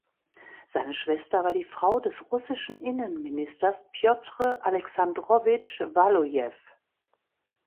Seine Schwester war die Frau des russischen Innenministers Pjotr Alexandrowitsch Walujew.